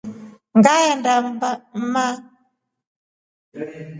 Ngaenda mma.